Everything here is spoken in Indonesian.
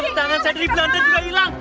waduh jam tangan saya dari belanda juga hilang